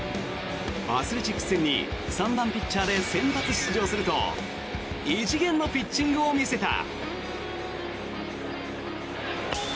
アスレチックス戦に３番ピッチャーで先発出場すると異次元のピッチングを見せた。